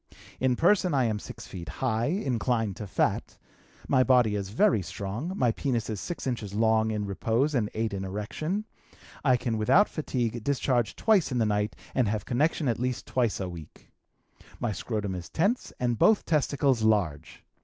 "In person I am 6 feet high, inclined to fat; my body is very strong; my penis is six inches long in repose and eight in erection; I can without fatigue discharge twice in the night and have connection at least twice a week. My scrotum is tense and both testicles large.